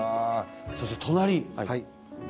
そして隣。